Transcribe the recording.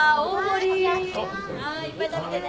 いっぱい食べてね。